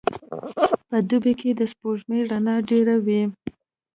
په دوبي کي د سپوږمۍ رڼا ډېره وي.